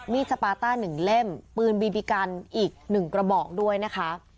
มีดสปาต้าหนึ่งเล่มปืนบีบีกันอีกหนึ่งกระบอกด้วยนะคะ